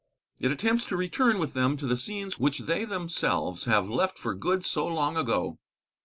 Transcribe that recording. It attempts to return with them to the scenes which they themselves have left for good so long ago.